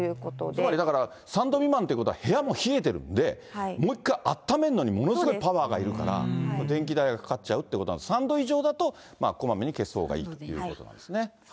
つまりだから、３度未満ということは部屋も冷えてるんで、もう一回あっためるのに、ものすごいパワーがいるから、電気代がかかっちゃうということなんで、３度以上だと、こまめに消すほうがいいということなんですね。